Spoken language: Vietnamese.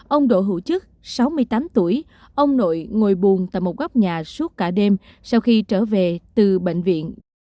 ông đỗ hữu chức sáu mươi tám tuổi ông nội ngồi buồn tại một góc nhà suốt cả đêm sau khi trở về từ bệnh viện